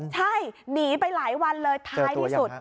ใช่หนีไปหลายวันเลยท้ายที่สุด